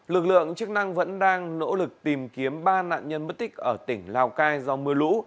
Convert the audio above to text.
lực lượng chức năng vẫn đang nỗ lực tìm kiếm ba nạn nhân bất tích ở tỉnh lào cai do mưa lũ